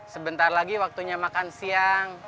sebentar lagi waktunya makan siang